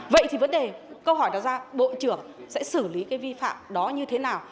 vậy thì vấn đề câu hỏi đặt ra bộ trưởng sẽ xử lý cái vi phạm đó như thế nào